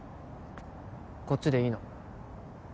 こっちでいいの？